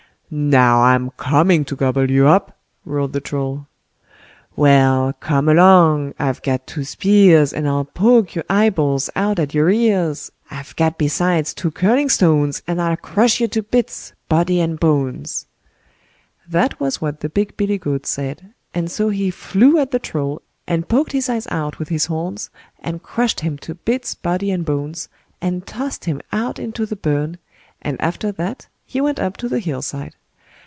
"Now, I'm coming to gobble you up", roared the Troll. Well, come along! I've got two spears, And I'll poke your eyeballs out at your ears; I've got besides two curling stones, And I'll crush you to bits, body and bones. That was what the big billy goat said; and so he flew at the Troll and poked his eyes out with his horns, and crushed him to bits, body and bones, and tossed him out into the burn, and after that he went up to the hill side.